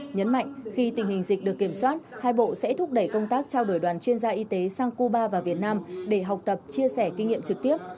nhấn mạnh khi tình hình dịch được kiểm soát hai bộ sẽ thúc đẩy công tác trao đổi đoàn chuyên gia y tế sang cuba và việt nam để học tập chia sẻ kinh nghiệm trực tiếp